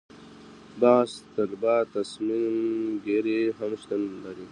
بحث طلبه تصمیم ګیري هم شتون لري.